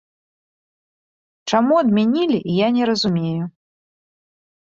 Чаму адмянілі, я не разумею.